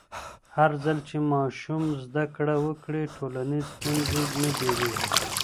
هرځل چې ماشوم زده کړه وکړي، ټولنیز ستونزې نه ډېرېږي.